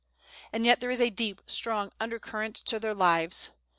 And yet there is a deep, strong under current to their lives.